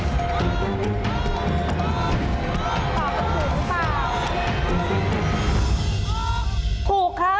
ตอบก็ถูกค่ะ